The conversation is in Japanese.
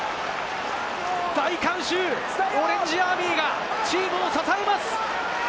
大観衆・オレンジアーミーがチームを支えます。